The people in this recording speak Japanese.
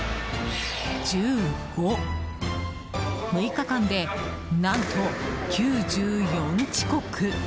６日間で、何と９４遅刻！